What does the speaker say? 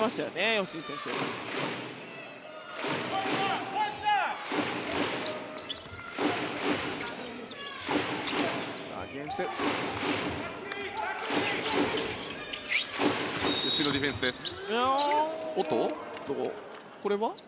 吉井のディフェンスです。